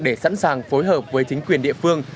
để sẵn sàng phối hợp với chính quyền địa phương